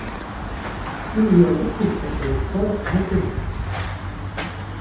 Il lui a dit qu'il s'appelait Chaz Anthony.